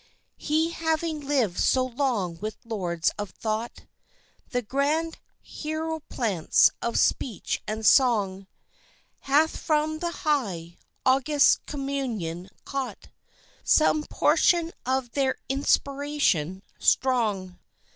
He having lived so long with lords of thought, The grand hierophants of speech and song, Hath from the high, august communion caught Some portion of their inspiration strong.